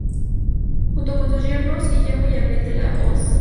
Junto con sus yernos, Guillermo y Abel De La Hoz.